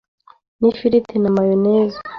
n’ ifiriti na mayonezi,